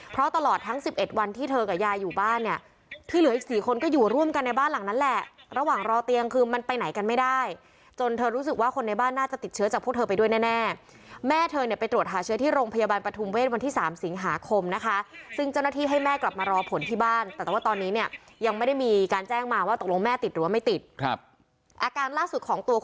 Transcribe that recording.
เพราะตลอดทั้งสิบเอ็ดวันที่เธอกับยายอยู่บ้านเนี้ยที่เหลืออีกสี่คนก็อยู่ร่วมกันในบ้านหลังนั้นแหละระหว่างรอเตียงคือมันไปไหนกันไม่ได้จนเธอรู้สึกว่าคนในบ้านน่าจะติดเชื้อจากพวกเธอไปด้วยแน่แน่แม่เธอเนี้ยไปตรวจหาเชื้อที่โรงพยาบาลประทุมเวทวันที่สามสิงหาคมนะคะซึ่งเจ้าหน้าท